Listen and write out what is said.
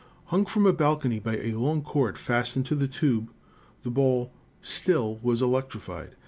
Hung from a balcony by a long cord fastened to the tube the ball still was electrified.